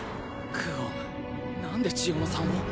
クオンなんで千夜乃さんを？